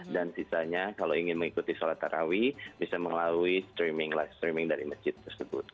dan sisanya kalau ingin mengikuti sholat tarawih bisa mengalami streaming live streaming dari masjid tersebut